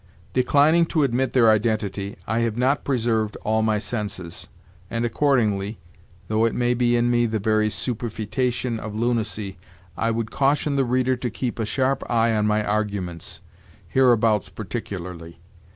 "' Declining to admit their identity, I have not preserved all my senses; and, accordingly though it may be in me the very superfetation of lunacy I would caution the reader to keep a sharp eye on my arguments, hereabouts particularly.